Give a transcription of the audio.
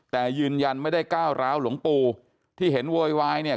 แต่ยืนยันไม่ได้ก้าวร้าวหลวงปู่ที่เห็นโวยวายเนี่ย